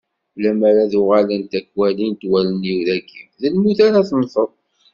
Lemmer ad uɣalent ad k-walint wallen-iw dagi, d lmut ara temmteḍ.